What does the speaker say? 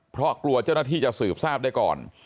เพราะกลัวเจ้าหน้าที่จะสืบทราบได้ก่อน